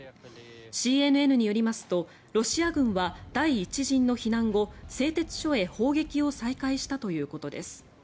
ＣＮＮによりますとロシア軍は第１陣の避難後、製鉄所へ砲撃を再開したということです。